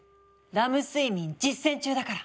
「ラム睡眠」実践中だから！